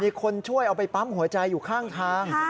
มีคนช่วยเอาไปปั๊มหัวใจอยู่ข้างทาง